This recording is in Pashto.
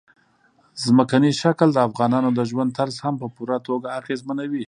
ځمکنی شکل د افغانانو د ژوند طرز هم په پوره توګه اغېزمنوي.